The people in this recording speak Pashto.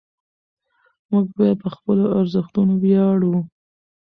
موږ باید په خپلو ارزښتونو ویاړو.